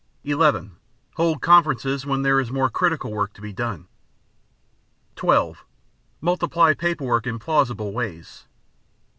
(11) Hold conferences when there is more critical work to be done. (12) Multiply paper work in plausible ways.